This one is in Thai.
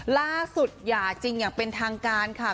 ล่าสุดอย่าจิ้งอย่างเป็นทางการค่ะ